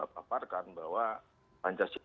paparkan bahwa pancasila